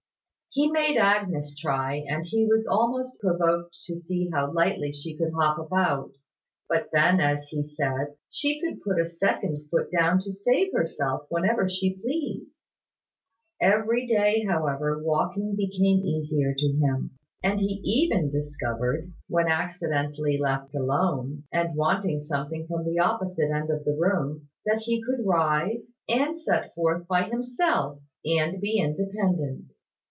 He made Agnes try; and he was almost provoked to see how lightly she could hop about; but then, as he said, she could put a second foot down to save herself, whenever she pleased. Every day, however, walking became easier to him; and he even discovered, when accidentally left alone, and wanting something from the opposite end of the room, that he could rise, and set forth by himself, and be independent.